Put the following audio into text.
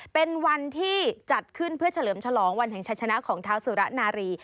เป็นวันที่จัดขึ้นเพื่อเฉลิมฉลองวันแห่งชัยชนะของเท้าสุระนารี